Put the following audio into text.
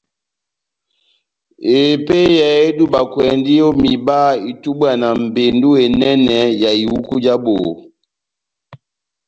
Epeyɛ edubakwɛndi o miba itubwa na mbendu enɛnɛ ya ihuku ja boho.